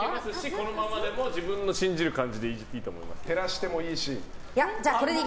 このままでも自分の信じる感じでいいと思いますよ。